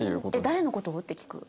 「誰の事？」って聞く。